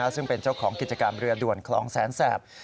ซึ่งเป็นเจ้าของกิจกรรมเรือด่วนคลองแสนแสบ